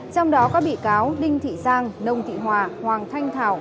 trong đó các bị cáo đinh thị giang nông thị hòa hoàng thanh thảo